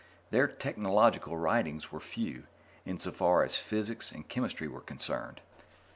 Their technological writings were few, insofar as physics and chemistry were concerned.